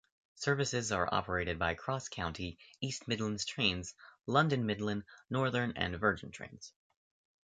Services are operated by CrossCountry, East Midlands Trains, London Midland, Northern and Virgin Trains.